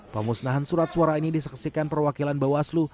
pemusnahan surat suara ini disaksikan perwakilan bawaslu